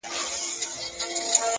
ځوان د تکي زرغونې وني نه لاندي”